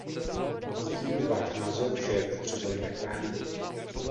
Sdílím váš názor, že je potřebujeme chránit.